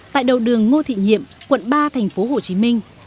tại đầu đường ngô thị nhiệm quận ba tp hcm